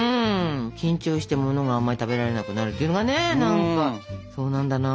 緊張してものがあんまり食べられなくなるっていうのがね何かそうなんだなと思って。